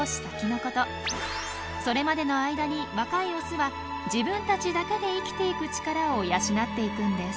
それまでの間に若いオスは自分たちだけで生きてゆく力を養っていくんです。